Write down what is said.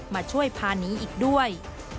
มาช่วยพาหนีอีกด้วย